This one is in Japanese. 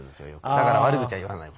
だから悪口は言わない。